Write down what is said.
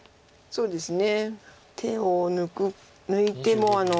そうですね。